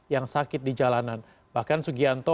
yang sakit di jalanan bahkan sugianto